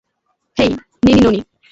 হেই, নিনি ননি!